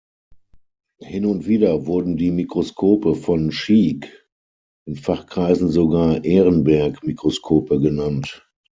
Hin und wieder wurden die Mikroskope von Schieck in Fachkreisen sogar Ehrenberg-Mikroskope genannt.